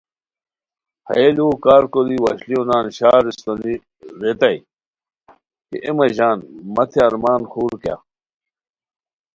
ہیہ لوؤ کار کوری وشلیو نان شا ر استونی ریتائے کی اے مہ ژان مہ تھے ارمان خور کیاغ